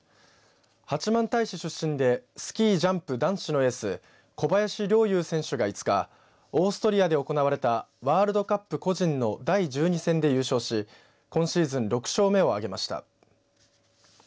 八幡平市出身でスキージャンプ男子のエース小林陵侑選手が５日オーストリアで行われたワールドカップ個人の第１２戦で優勝し今シーズン６勝目を挙げました。